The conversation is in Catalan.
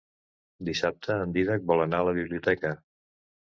Dissabte en Dídac vol anar a la biblioteca.